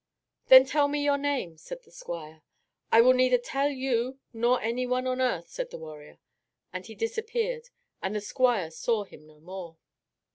"Then tell me your name," said the squire. "I will tell neither you nor any one on earth," said the warrior. And he disappeared, and the squire saw him no more.